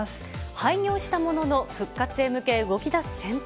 廃業したものの、復活へ向け動きだす銭湯。